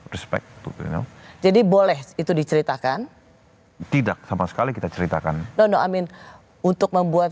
respect jadi boleh itu diceritakan tidak sama sekali kita ceritakan dono amin untuk membuat